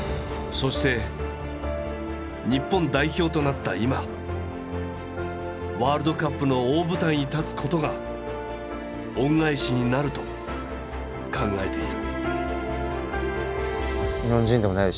そして日本代表となった今ワールドカップの大舞台に立つことが恩返しになると考えている。